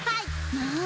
まあ！